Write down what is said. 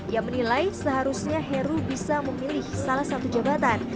ia menilai seharusnya heru bisa memilih salah satu jabatan